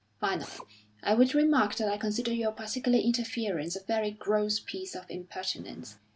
Finally, I would remark that I consider your particular interference a very gross piece of impertinence.